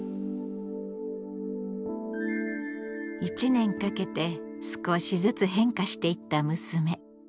１年かけて少しずつ変化していった娘。